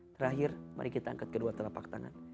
terakhir mari kita angkat kedua telapak tangan